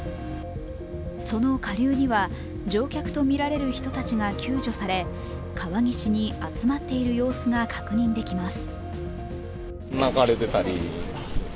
その下流には乗客とみられる人たちが救助され、川岸に集まっている様子が確認できます。